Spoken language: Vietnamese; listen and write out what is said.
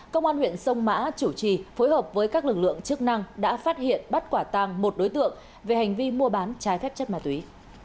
công an huyện sông mã chủ trì phối hợp với các lực lượng chức năng đã phát hiện bắt quả tàng một đối tượng về hành vi mua bán trái phép chất ma túy